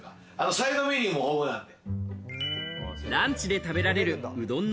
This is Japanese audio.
サイドメニューも豊富なんで。